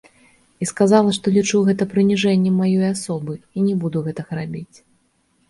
І сказала, што лічу гэта прыніжэннем маёй асобы і не буду гэтага рабіць.